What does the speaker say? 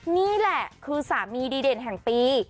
นี่แหละคือสามีดีเด่นแห่งปี